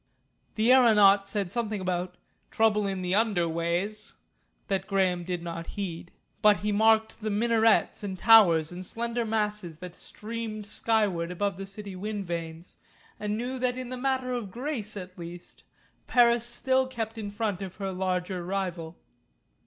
The aeronaut said something about "trouble in the under ways," that Graham did not heed. But he marked the minarets and towers and slender masses that streamed skyward above the city wind vanes, and knew that in the matter of grace at least Paris still kept in front of her larger rival.